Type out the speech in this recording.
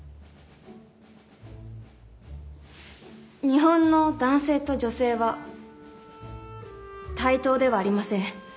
日本の男性と女性は対等ではありません。